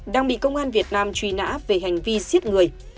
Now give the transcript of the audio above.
đang bị công an việt nam truy nã về hành vi giết người